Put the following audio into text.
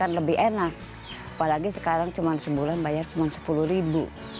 apalagi sekarang cuma sebulan bayar cuma rp sepuluh